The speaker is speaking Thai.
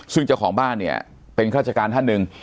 ซึ่งเจ้าของบ้านเนี่ยเป็นข้าราชการท่านหนึ่ง